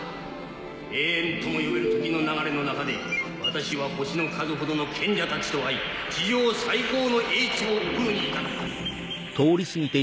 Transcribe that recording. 永遠とも呼べる時の流れの中で私は星の数ほどの賢者たちと会い地上最高の英知を得るに至った。